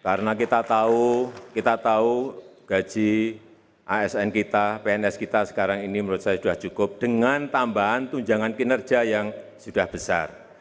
karena kita tahu gaji asn kita pns kita sekarang ini menurut saya sudah cukup dengan tambahan tunjangan kinerja yang sudah besar